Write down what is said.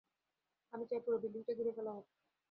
আমি চাই পুরো বিল্ডিংটা ঘিরে ফেলা হোক।